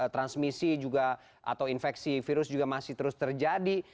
transmisi juga atau infeksi virus juga masih terus terjadi